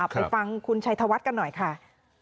ไปฟังคุณชัยธวัฒน์กันหน่อยค่ะ